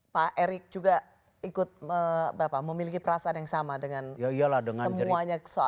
pak erik juga ikut memiliki perasaan yang sama dengan semuanya soal perlakuan wasit itu